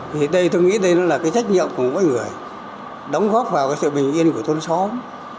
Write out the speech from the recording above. thì đây tôi nghĩ đây nó là cái trách nhiệm của mỗi người đóng góp vào cái sự bình yên của thôn xóm